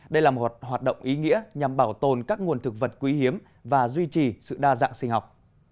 đây là một hoạt động ý nghĩa nhằm bảo tồn các nguồn thực vật quý hiếm và duy trì sự đa dạng sinh học